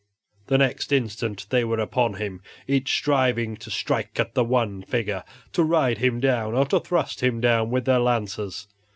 The next instant they were upon him, each striving to strike at the one figure, to ride him down, or to thrust him down with their lances.